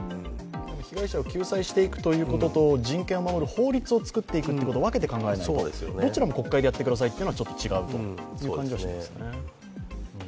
被害者を救済していくとことと人権を守る法律をつくることは分けて考えないと、どちらも国会でやっていくというのはちょっと違うという感じがしますね。